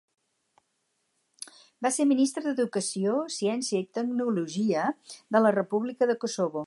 Va ser ministre d'Educació, Ciència i Tecnologia de la República de Kosovo.